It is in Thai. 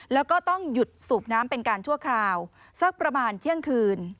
แล้วก็ต้องหยุดสูบน้ำเป็นการชั่วคราวสักประมาณเที่ยงคืน